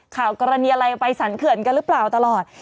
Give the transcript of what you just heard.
ข่าวกรณีอะไรไปสรรเขื่อนกันหรือเปล่าตลอด